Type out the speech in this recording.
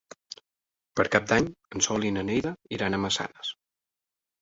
Per Cap d'Any en Sol i na Neida iran a Massanes.